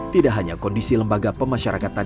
tidak hanya kondisi lembaga pemasyarakatan